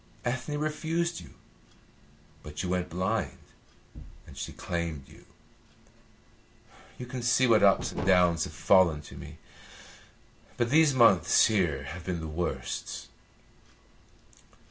Ethne refused you, but you went blind and she claimed you. You can see what ups and downs have fallen to me. But these months here have been the worst."